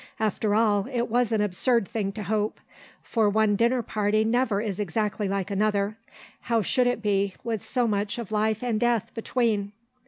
After all, it was an absurd thing to hope, for one dinner party never is exactly like another; how should it be, with so much of life and death between?